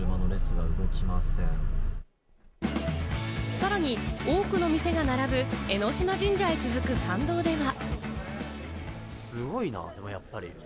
さらに多くの店が並ぶ江島神社へ続く参道では。